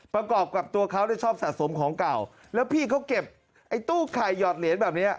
ประกอบกับตัวเขาเนี่ยชอบสะสมของเก่าแล้วพี่เขาเก็บไอ้ตู้ไข่หอดเหรียญแบบนี้